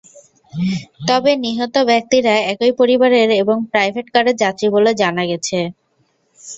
তবে নিহত ব্যক্তিরা একই পরিবারের এবং প্রাইভেট কারের যাত্রী বলে জানা গেছে।